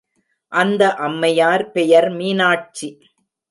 அந்த அம்மையார் பெயர் மீனாட்சி.